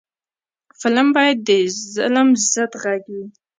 فلم باید د ظلم ضد غږ وي